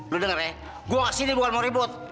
lo denger ya gue gak sini bukan mau ribut